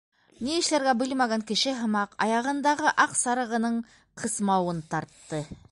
Ни эшләргә белмәгән кеше һымаҡ, аяғындағы аҡ сарығының ҡысмауын тартты.